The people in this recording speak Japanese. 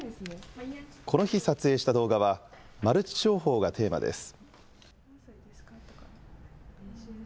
この日撮影した動画は、マルチ商法がテーマです。